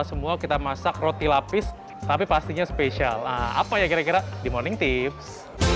semua kita masak roti lapis tapi pastinya spesial apa ya kira kira di morning tips